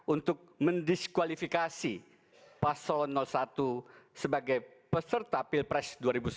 untuk mendiskualifikasi pasol satu sebagai peserta pilpres dua ribu sembilan belas